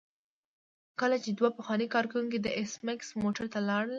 کله چې دوه پخواني کارکوونکي د ایس میکس موټر ته لاړل